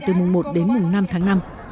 từ mùng một đến mùng năm tháng năm